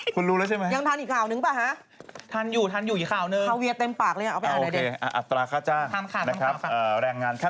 คุณรู้แล้วใช่ไหมยังทันอีกข่าวนึงป่ะฮะ